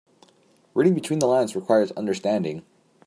Reading between the lines requires understanding.